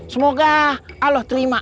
semoga allah terima